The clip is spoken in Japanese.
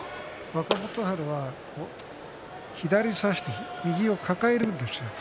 若元春は左を差して右を抱えるんですよ。